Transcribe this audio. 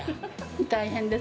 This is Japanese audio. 大変です。